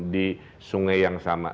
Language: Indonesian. di sungai yang sama